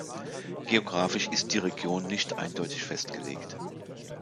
Geografisch ist die Region nicht eindeutig festgelegt.